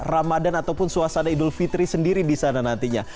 ramadan ataupun suasana idul fitri sendiri di sana nantinya